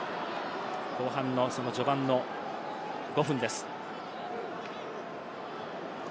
後半の序盤の５分です。